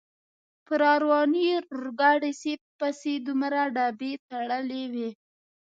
په را روانې اورګاډي پسې دومره ډبې تړلې وې.